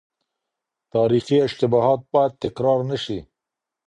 تاريخي اشتباهات بايد تکرار نه سي.